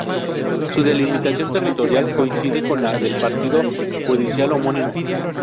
Su delimitación territorial coincide con la del partido judicial homónimo.